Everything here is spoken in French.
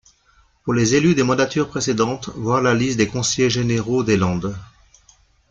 Pour les élus des mandatures précédentes, voir la liste des conseillers généraux des Landes.